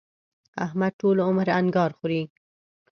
احمد ټول عمر انګار خوري.